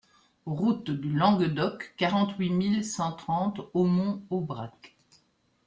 Route du Languedoc, quarante-huit mille cent trente Aumont-Aubrac